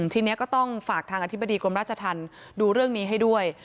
ทีนี้ก็ต้องฝากทางอธิบดีกรมราชธรรมดูเรื่องนี้ให้ด้วย